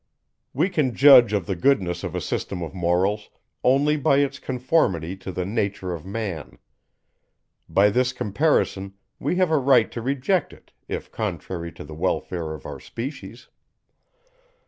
We can judge of the goodness of a system of Morals, only by its conformity to the nature of man. By this comparison, we have a right to reject it, if contrary to the welfare of our species.